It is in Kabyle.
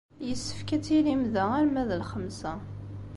Yessefk ad tilim da arma d lxemsa.